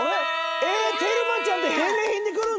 えっテルマちゃんって返礼品で来るんだ。